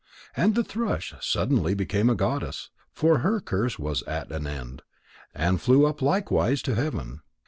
And the thrush suddenly became a goddess, for her curse was at an end, and flew up likewise to heaven.